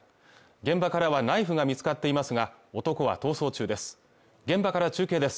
現場からはナイフが見つかっていますが男は逃走中です